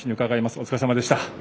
お疲れさまでした。